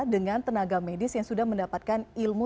dengan tenaga medis yang sudah mendapatkan ilmu